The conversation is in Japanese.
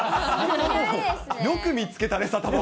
よく見つけたね、サタボー。